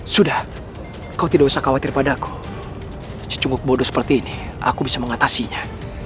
sudah kau tidak usah khawatir padaku secukup bodoh seperti ini aku bisa mengatasinya